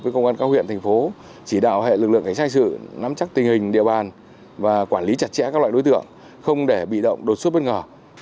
các huyện thành phố chỉ đạo hệ lực lượng kinh doanh sự nắm chắc tình hình địa bàn và quản lý chặt chẽ các loại đối tượng không để bị động đột xuất bất ngờ